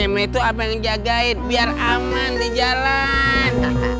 me tuh apa yang jagain biar aman di jalan